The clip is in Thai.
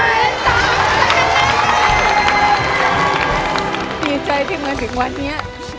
ดีใจที่มาถึงวันนี้